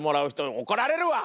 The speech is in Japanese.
怒られるわ！